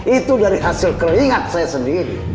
itu dari hasil keringat saya sendiri